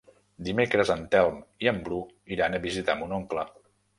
Dimecres en Telm i en Bru iran a visitar mon oncle.